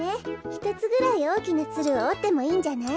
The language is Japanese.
ひとつぐらいおおきなツルをおってもいいんじゃない？